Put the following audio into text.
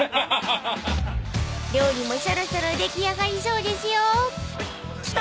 ［料理もそろそろ出来上がりそうですよ］来た！